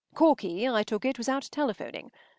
Corky, I took it, was out telephoning.